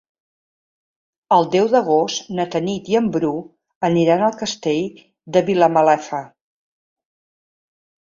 El deu d'agost na Tanit i en Bru aniran al Castell de Vilamalefa.